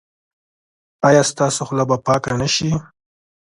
ایا ستاسو خوله به پاکه نه شي؟